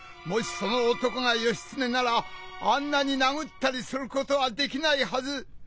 もしその男が義経ならあんなになぐったりすることはできないはず！